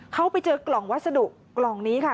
เขาไปเจอกล่องวัสดุกล่องนี้ค่ะ